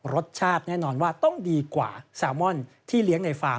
รสชาติแน่นอนว่าต้องดีกว่าแซลมอนที่เลี้ยงในฟาร์ม